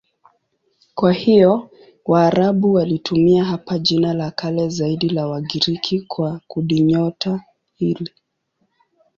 Kwa hiyo Waarabu walitumia hapa jina la kale zaidi la Wagiriki kwa kundinyota hili.